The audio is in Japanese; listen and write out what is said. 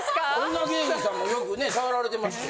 女芸人さんもよくね触られてますよ。